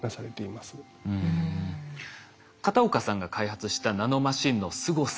片岡さんが開発したナノマシンのすごさ